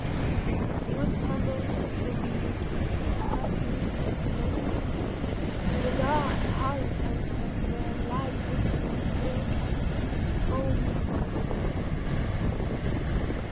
But she was humble and obedient, and sat meekly for many weeks in the dark, high turret chamber where the light dripped upon the pale canvas only from overhead.